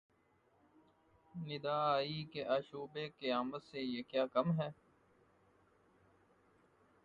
ندا آئی کہ آشوب قیامت سے یہ کیا کم ہے